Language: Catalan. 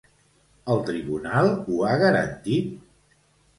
El tribunal ho ha garantit?